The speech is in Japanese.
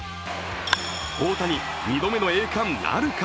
大谷、２度目の栄冠なるか。